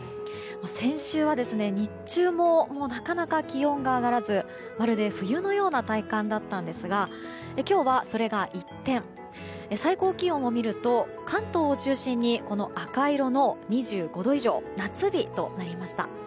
先週は日中もなかなか気温が上がらずまるで冬のような体感だったんですが今日は、それが一転最高気温を見ると関東を中心に、赤色の２５度以上夏日となりました。